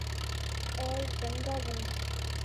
اور رنگا رنگی